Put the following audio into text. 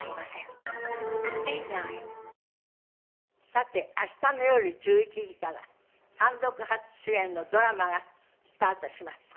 さて明日の夜１１時から単独初主演のドラマがスタートします。